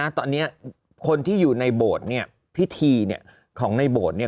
ตอนนี้คนที่อยู่ในโบสถ์เนี่ยพิธีของในโบสถ์เนี่ย